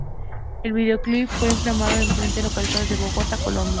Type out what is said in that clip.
El videoclip fue filmado en diferentes localizaciones de Bogotá, Colombia.